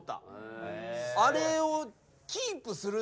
あれを。